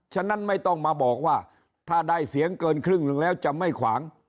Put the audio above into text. ฉะนั้นไม่ต้องมาบอกว่าถ้าได้เสียงเกินครึ่งหนึ่งแล้วจะไม่ขวาง